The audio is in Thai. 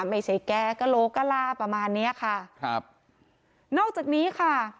ไม่ใช่แกกะโลกะลาประมาณเนี้ยค่ะครับนอกจากนี้ค่ะ